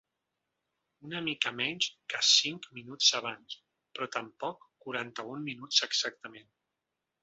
Una mica menys que cinc minuts abans, però tampoc ‘quaranta-un minuts’ exactament.